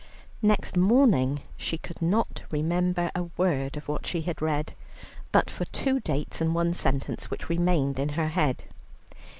Next morning she could not remember a word of what she had read, but for two dates and one sentence, which remained in her head.